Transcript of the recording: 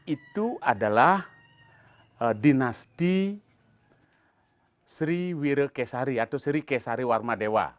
itu adalah dinasti sriwire kesari atau sri kesari warmadewa